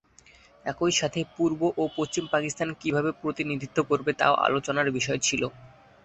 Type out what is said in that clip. একইসাথে পূর্ব ও পশ্চিম পাকিস্তান কিভাবে প্রতিনিধিত্ব করবে তাও আলোচনার বিষয় ছিল।